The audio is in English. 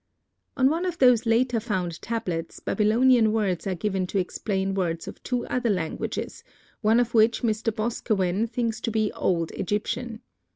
On one of these later found tablets, Babylonian words are given to explain words of two other languages, one of which Mr. Boscawen thinks to be old Egyptian.